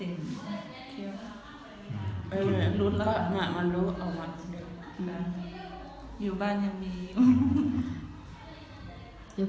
เสื้อผ้าเตรียมมาให้เราดึงออกมา